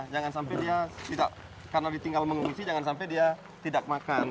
jangan sampai dia tidak karena ditinggal mengungsi jangan sampai dia tidak makan